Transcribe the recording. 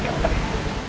terima kasih pak